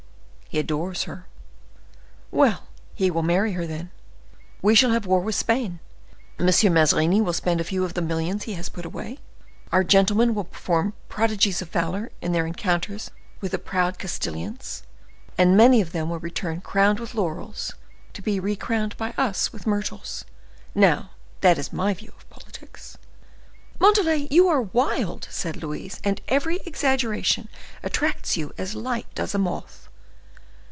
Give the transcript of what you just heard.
"He adores her." "Well, he will marry her then. We shall have war with Spain. M. Mazarin will spend a few of the millions he has put away; our gentlemen will perform prodigies of valor in their encounters with the proud Castilians, and many of them will return crowned with laurels, to be recrowned by us with myrtles. Now, that is my view of politics." "Montalais, you are wild!" said Louise, "and every exaggeration attracts you as light does a moth."